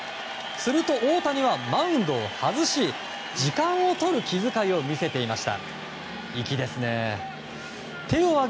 すると、大谷はマウンドを外し時間を取る気遣いを見せていました。